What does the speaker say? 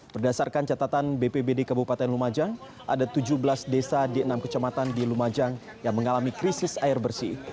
berdasarkan catatan bpbd kabupaten lumajang ada tujuh belas desa di enam kecamatan di lumajang yang mengalami krisis air bersih